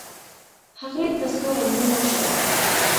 هغې ته څو رنګونه شته.